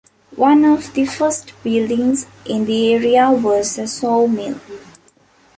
One of the first buildings in the area was a sawmill.